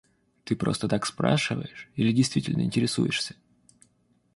Ты просто так спрашиваешь или действительно интересуешься?